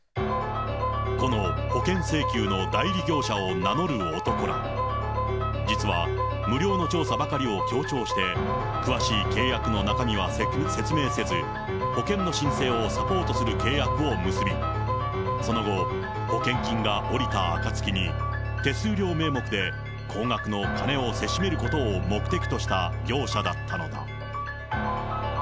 この保険請求の代理業者を名乗る男ら、実は無料の調査ばかりを強調して、詳しい契約の中身は説明せず、保険の申請をサポートする契約を結び、その後、保険金が下りたあかつきに手数料名目で高額の金をせしめることを目的とした業者だったのだ。